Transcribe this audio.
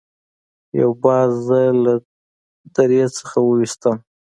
یو باز زه له درې څخه وویستم.